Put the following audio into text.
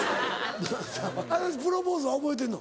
足立プロポーズは覚えてるの？